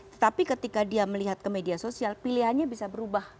tetapi ketika dia melihat ke media sosial pilihannya bisa berubah